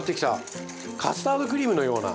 カスタードクリームのような。